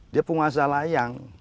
dia penguasa layang